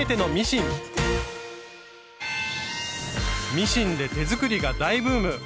ミシンで手作りが大ブーム。